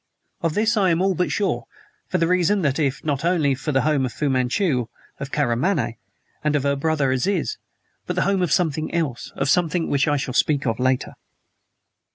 Of this I am all but sure; for the reason that it not only was the home of Fu Manchu, of Karamaneh, and of her brother, Aziz, but the home of something else of something which I shall speak of later.